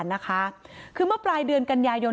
คือเมื่อปลายเดือนกันยายน